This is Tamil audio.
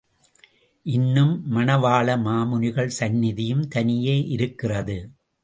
இன்னும் மணவாள மாமுனிகள் சந்நிதியும் தனியே இருக்கிறது.